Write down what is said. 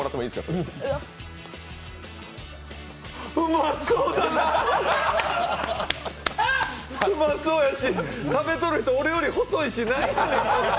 うまそうやし、食べとる人俺より細いし。